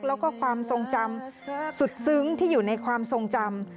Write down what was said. แล้วก็ความทรงจำสุดซึ้งที่อยู่ในความทรงจำ